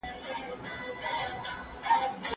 هغه ته هیڅ چا پیسې ورنه کړې.